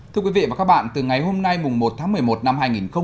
thưa quý vị và các bạn từ ngày hôm nay một tháng một mươi một năm hai nghìn hai mươi